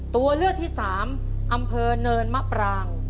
ตัวเลือกที่สามอำเภอเนินมะปราง